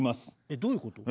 えっどういうこと？